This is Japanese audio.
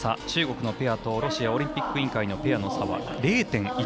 中国のペアとロシアオリンピック委員会のペアの差は０．１６差。